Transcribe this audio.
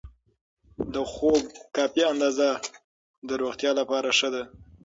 د خوب کافي اندازه د روغتیا لپاره ښه ده.